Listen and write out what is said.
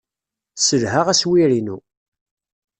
Sselhaɣ aswir-inu.